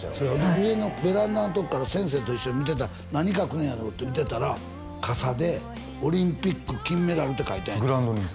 上のベランダのとこから先生と一緒に何書くんやろうって見てたら傘で「オリンピック金メダル」って書いたんやグラウンドにですか？